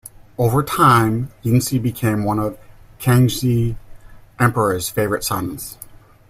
Over time, Yinsi became one of the Kangxi Emperor's favourite sons.